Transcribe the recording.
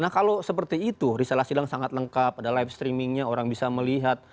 nah kalau seperti itu risalah sidang sangat lengkap ada live streamingnya orang bisa melihat